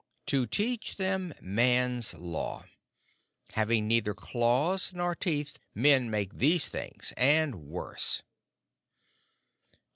"To teach them Man's Law. Having neither claws nor teeth, men make these things and worse."